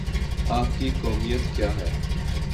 آپ کی قومیت کیا ہے؟